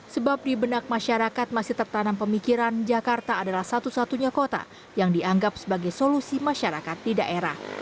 sebab di benak masyarakat masih tertanam pemikiran jakarta adalah satu satunya kota yang dianggap sebagai solusi masyarakat di daerah